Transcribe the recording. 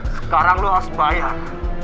sekarang lu harus bayar